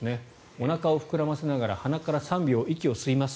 おなかを膨らませながら鼻から３秒息を吸います。